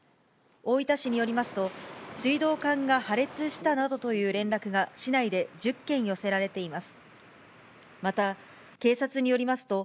大分市によりますと、水道管が破裂したなどという連絡が、市内で１０件寄せられています。